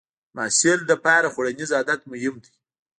د محصل لپاره خوړنیز عادت مهم دی.